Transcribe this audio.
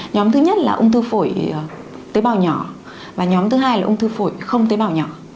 nhóm thứ nhất là ung thư phổi tế bào nhỏ và nhóm thứ hai là ung thư phổi không tế bào nhỏ